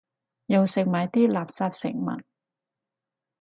又食埋啲垃圾食物